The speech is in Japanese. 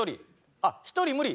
あっ１人無理？